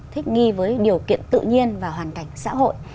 thích nghi với điều kiện tự nhiên và hoàn cảnh xã hội